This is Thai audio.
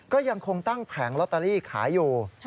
ก็ยังคงตั้งแผงลอตเตอรี่ขายอยู่